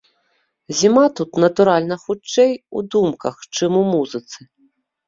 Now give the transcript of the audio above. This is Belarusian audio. Зіма тут, натуральна, хутчэй, у думках, чым у музыцы.